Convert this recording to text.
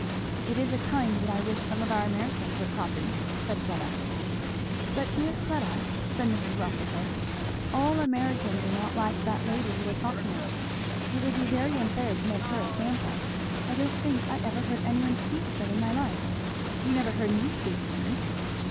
"It is a kind that I wish some of our Americans would copy," said Fleda. "But dear Fleda," said Mrs. Rossitur, "all Americans are not like that lady you were talking of it would be very unfair to make her a sample. I don't think I ever heard any one speak so in my life you never heard me speak so."